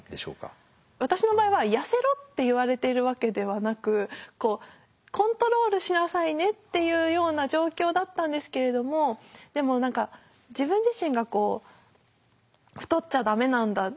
私の場合は痩せろって言われているわけではなくコントロールしなさいねっていうような状況だったんですけれどもでも何か自分自身がこう太っちゃダメなんだ